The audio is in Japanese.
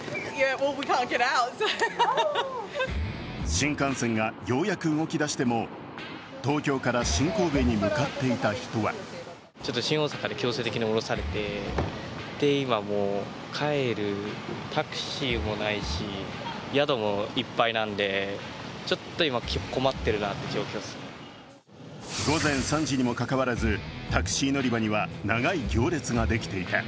新幹線がようやく動きだしても東京から新神戸に向かっていた人は午前３時にもかかわらず、タクシー乗り場には長い行列ができていた。